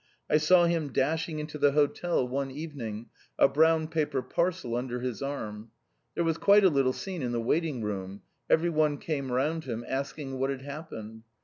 I saw him dashing into the hotel one evening, a brown paper parcel under his arm. There was quite a little scene in the waiting room; everyone came round him asking what had happened.